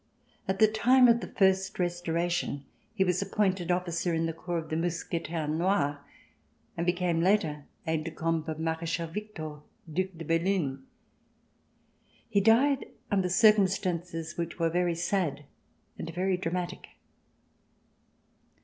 At the time of the First Restora tion he was appointed officer in the corps of the Mousquetaires Noirs and became later aide de camp of Marechal Victor, Due de Bellune. He died under circumstances which were very sad and very dramatic.